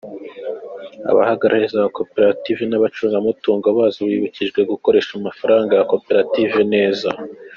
Abahagarariye za koperative n’abacungamutungo bazo bibukijwe gukoresha amafaranga ya koperative neza.